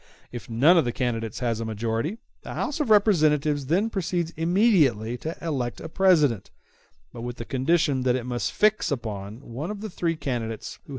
If none of the candidates has a majority, the House of Representatives then proceeds immediately to elect a President, but with the condition that it must fix upon one of the three candidates who have the highest numbers.